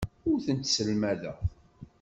Ur tent-sselmadeɣ.